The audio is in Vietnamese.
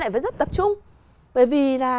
bởi vì là